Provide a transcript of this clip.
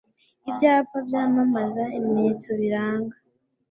ibyapa byamamaza ibimenyetso biranga